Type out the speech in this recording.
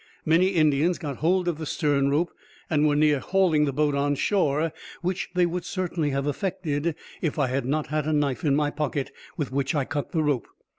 Many Indians got hold of the stern rope, and were near hauling the boat on shore, which they would certainly have effected, if I had not had a knife in my pocket, with which I cut the rope.